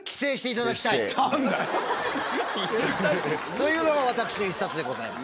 というのが私の１冊でございます。